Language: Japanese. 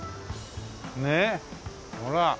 ねえほら。